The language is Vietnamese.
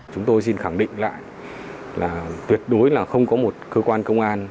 chúng tôi xin khẳng định lại là tuyệt đối là không có một cơ quan công an